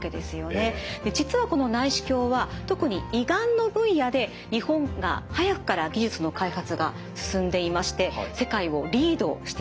実はこの内視鏡は特に胃がんの分野で日本が早くから技術の開発が進んでいまして世界をリードしてきました。